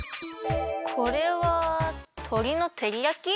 これはとりのてりやき？